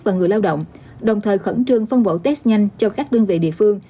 và người lao động đồng thời khẩn trương phân bộ test nhanh cho các đơn vị địa phương